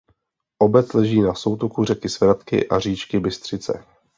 Obec leží na soutoku řeky Svratky a říčky Bystřice.